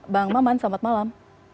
bang maman selamat malam